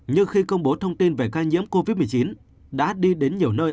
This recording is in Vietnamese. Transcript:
nhưng khi công bố thông tin về ca nhiễm covid một mươi chín đã đi đến nhiều nơi